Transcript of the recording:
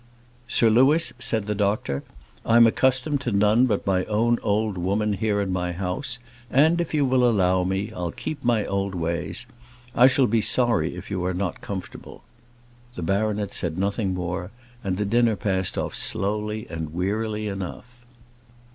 "Sir Louis," said the doctor, "I'm accustomed to none but my own old woman here in my own house, and if you will allow me, I'll keep my old ways. I shall be sorry if you are not comfortable." The baronet said nothing more, and the dinner passed off slowly and wearily enough.